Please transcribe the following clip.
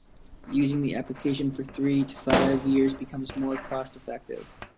Using the application for three to five years becomes more cost-effective.